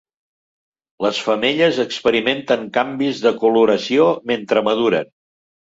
Les femelles experimenten canvis de coloració mentre maduren.